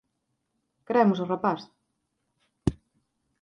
Queremos ao rapaz.